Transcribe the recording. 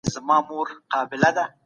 دا متل دی یوه ورځ د بلي مور ده